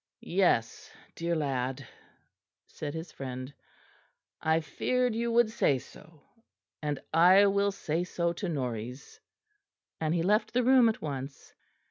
"Yes, dear lad," said his friend, "I feared you would say so; and I will say so to Norreys"; and he left the room at once.